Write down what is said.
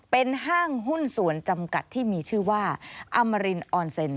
เป็นห้างหุ้นส่วนจำกัดที่มีชื่อว่าอมรินออนเซ็น